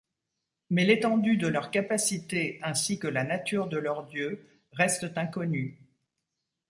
Mais l'étendue de leurs capacités, ainsi que la nature de leurs dieux, restent inconnues.